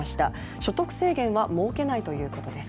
所得制限は設けないということです。